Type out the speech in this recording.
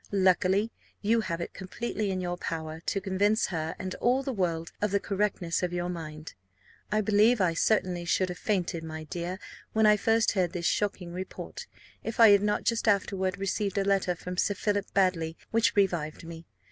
Luckily, you have it completely in your power to convince her and all the world of the correctness of your mind. I believe I certainly should have fainted, my dear, when I first heard this shocking report, if I had not just afterward received a letter from Sir Philip Baddely which revived me.